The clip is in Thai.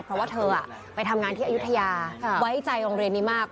เพราะว่าเธอไปทำงานที่อายุทยาไว้ใจโรงเรียนนี้มาก